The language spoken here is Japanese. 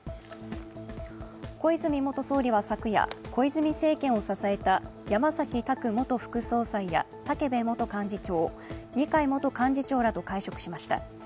小泉元総理は昨夜小泉政権を支えた山崎拓元副総裁や、武部元幹事長二階元幹事長らと会食しました。